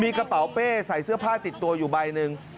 มีกระเป๋าเป้ใส่เสื้อผ้าติดตัวอยู่ใบหนึ่ง